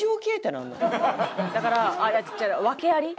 だから訳あり。